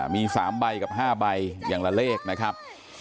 มี๓ใบกับ๕ใบอย่างละเลขนะครับ